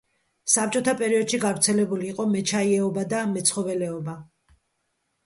საბჭოთა პერიოდში გავრცელებული იყო მეჩაიეობა და მეცხოველეობა.